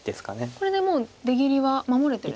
これでもう出切りは守れてるんですね。